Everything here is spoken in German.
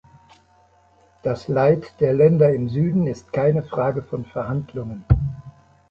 Das Leid der Länder im Süden ist keine Frage von Verhandlungen.